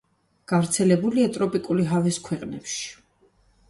გავრცელებულია ტროპიკული ჰავის ქვეყნებში.